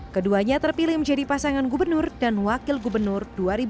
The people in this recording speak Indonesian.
keduanya terpilih menjadi pasangan gubernur dan wakil gubernur dua ribu sembilan belas dua ribu dua puluh dua